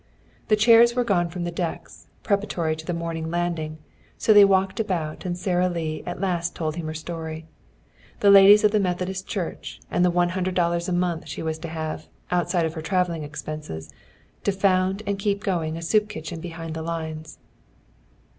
The chairs were gone from the decks, preparatory to the morning landing, so they walked about and Sara Lee at last told him her story the ladies of the Methodist Church, and the one hundred dollars a month she was to have, outside of her traveling expenses, to found and keep going a soup kitchen behind the lines.